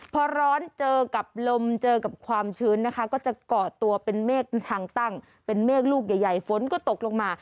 พอร้อนเจอกับลมเจอกับความชื้นนะคะก็จะก่อตัวเป็นเมฆทางตั้งเป็นเมฆลูกใหญ่ฝนก็ตกลงมา